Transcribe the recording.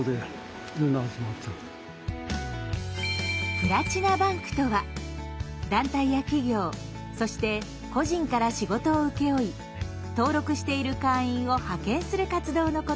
「プラチナバンク」とは団体や企業そして個人から仕事を請け負い登録している会員を派遣する活動のこと。